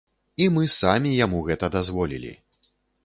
І мы самі яму гэта дазволілі.